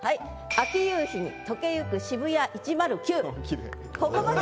「秋夕日に熔けゆく渋谷１０９」。